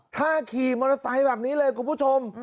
ถ้าขี่มอเตอร์ไซค์แบบนี้เลยคุณผู้ชม